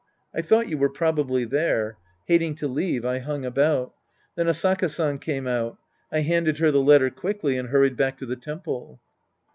I thought you were probably there. Hating to leave, I hung about. Then Asaka San came out. I hand ed her the letter quickly and hurried back to the temple.